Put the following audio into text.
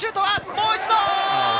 もう一度！